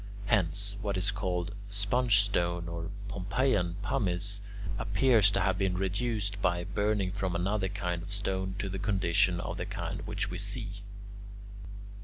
Hence, what is called "sponge stone" or "Pompeian pumice" appears to have been reduced by burning from another kind of stone to the condition of the kind which we see.